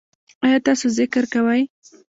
ایا تاسو ذکر کوئ؟